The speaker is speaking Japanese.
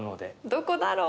どこだろう？